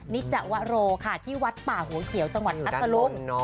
นิจวโรค่ะที่วัดป่าหัวเขียวจังหวัดพัทธลุง